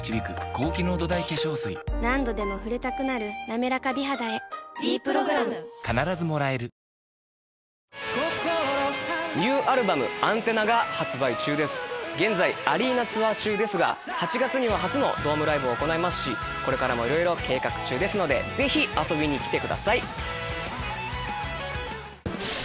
何度でも触れたくなる「なめらか美肌」へ「ｄプログラム」現在アリーナツアー中ですが８月には初のドームライブを行いますしこれからもいろいろ計画中ですのでぜひ遊びに来てください。